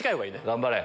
頑張れ！